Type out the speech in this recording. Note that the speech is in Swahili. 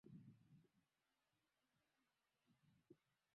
Ameweka rekodi ya kuwa mwanamke wa kwanza kushika wadhifa huo